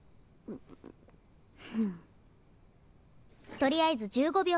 とりあえず１５びょう